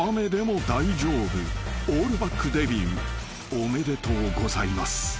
おめでとうございます］